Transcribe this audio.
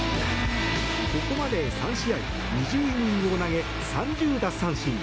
ここまで３試合２０イニングを投げ３０奪三振。